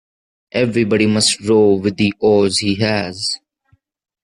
Everybody must row with the oars he has.